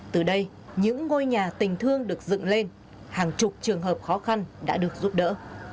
từ đây những ngôi nhà tình thương được dựng lên hàng chục trường hợp khó khăn đã được giúp đỡ